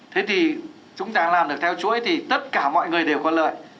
thế thì chúng ta làm được theo chuỗi thì tất cả mọi người đều có lợi